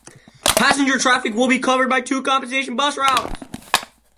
Passenger traffic will be covered by two compensation bus routes.